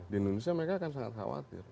di indonesia mereka akan sangat khawatir